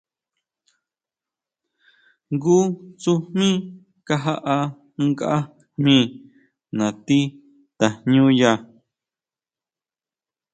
Jngu tsujmí kajaʼá nkʼa jmí nati tajñúya.